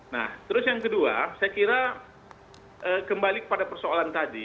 nah terus yang kedua saya kira kembali kepada persoalan tadi